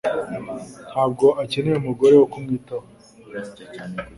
Ntabwo akeneye umugore wo kumwitaho.